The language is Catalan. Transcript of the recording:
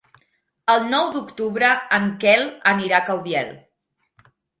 El nou d'octubre en Quel anirà a Caudiel.